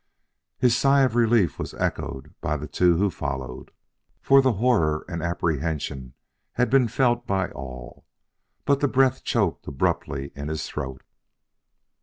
His sigh of relief was echoed by the two who followed, for the horror and apprehension had been felt by all. But the breath choked abruptly in his throat.